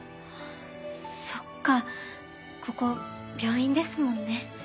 そっかここ病院ですもんね。